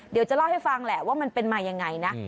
เดี๋ยวจะเล่าให้ฟังแหละว่ามันเป็นมายังไงนะ